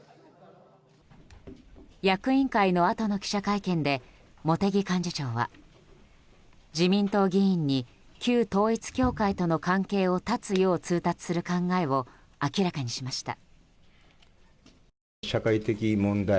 役員会のあとの記者会見で茂木幹事長は自民党議員に旧統一教会との関係を断つよう通達する考えを明らかにしました。